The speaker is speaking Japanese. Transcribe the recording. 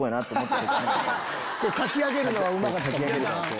かき上げるのはうまかったけど。